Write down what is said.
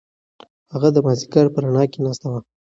هغه د مازیګر په رڼا کې ناسته وه.